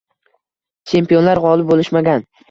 Chempionlar g’olib bo’lishmagan.